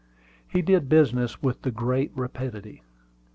He did business with great rapidity.